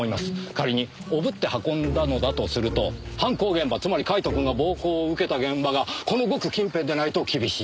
仮におぶって運んだのだとすると犯行現場つまりカイトくんが暴行を受けた現場がこのごく近辺でないと厳しい。